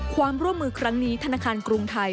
ความร่วมมือครั้งนี้ธนาคารกรุงไทย